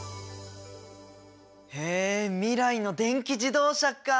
へえ未来の電気自動車か！